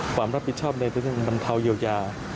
ความรับผิดชอบในเรื่องบรรเทาเยียวยา